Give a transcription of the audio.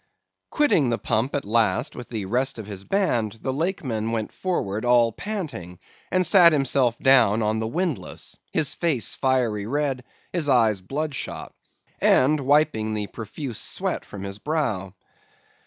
"Quitting the pump at last, with the rest of his band, the Lakeman went forward all panting, and sat himself down on the windlass; his face fiery red, his eyes bloodshot, and wiping the profuse sweat from his brow.